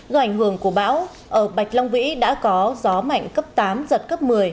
do ảnh hưởng của bão ở bạch long vĩ đã có gió mạnh cấp tám giật cấp một mươi